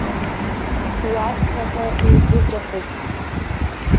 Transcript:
Уаԥхьаҟа иузыҵәахуп.